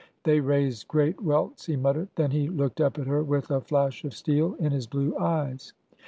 " They raised great welts," he muttered. Then he looked up at her with a flash of steel in his blue eyes.